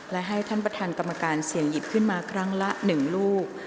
และให้ท่านประธานกรรมการเสี่ยงหยิบขึ้นมาครั้งละ๑ลูก